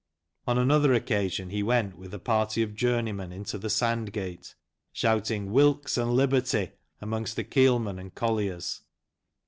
On another occasion he went with a party of journeymen into the Sandgate shouting "Wilkes and Liberty," amongst the keelmen and colliers.